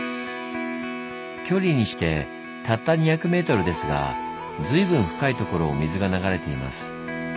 距離にしてたった２００ｍですがずいぶん深いところを水が流れています。